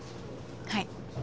はい。